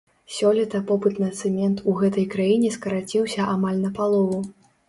Сёлета попыт на цэмент у гэтай краіне скараціўся амаль на палову.